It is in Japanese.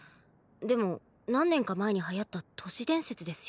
でも何年か前に流行った都市伝説ですよね。